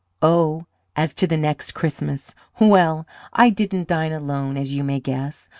"Oh, as to the next Christmas. Well, I didn't dine alone, as you may guess.